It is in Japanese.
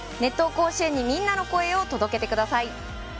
甲子園にみんなの声を届けてください。